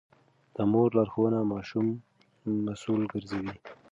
د مور لارښوونه ماشوم مسوول ګرځوي.